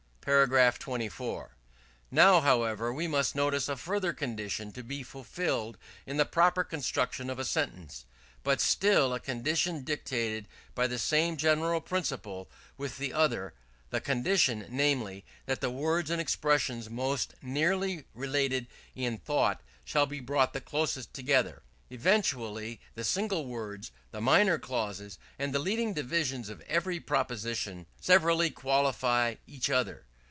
§ 24. Now, however, we must notice a further condition to be fulfilled in the proper construction of a sentence; but still a condition dictated by the same general principle with the other: the condition, namely, that the words and expressions most nearly related in thought shall be brought the closest together. Evidently the single words, the minor clauses, and the leading divisions of every proposition, severally qualify each other.